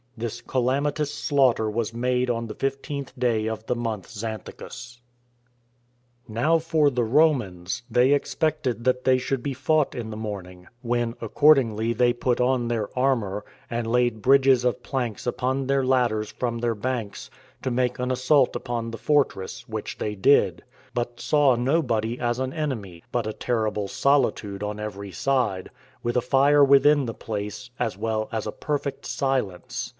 This calamitous slaughter was made on the fifteenth day of the month Xanthicus [Nisan]. 2. Now for the Romans, they expected that they should be fought in the morning, when, accordingly, they put on their armor, and laid bridges of planks upon their ladders from their banks, to make an assault upon the fortress, which they did; but saw nobody as an enemy, but a terrible solitude on every side, with a fire within the place, as well as a perfect silence.